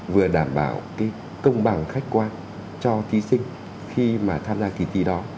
vừa đảm bảo cái công bằng khách quan cho thí sinh khi mà tham gia kỳ thi đó